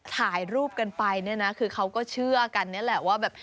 ถ่ายรูปกันไปเนี่ยนะคือเขาก็เชื่อกันนี่แหละว่าแบบ